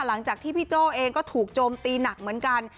หลังจากที่พี่โจ้เองก็ถูกโจมตีหนักเหมือนกัน